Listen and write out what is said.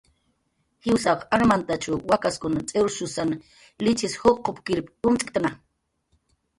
Jiwsaq armantachw wakaskun t'iwrshusan lichis juqupkir umt'ktna